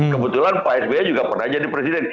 kebetulan pak sby juga pernah jadi presiden